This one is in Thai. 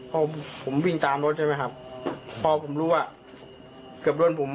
พอผมวิ่งตามรถใช่ไหมครับพอผมรู้ว่าเกือบรุ่นผม